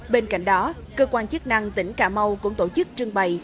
bên cạnh đó cơ quan chức năng tỉnh cà mau cũng tổ chức trưng bày